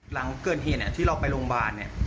หลังเกินเหตุที่เราไปโรงพยาบาล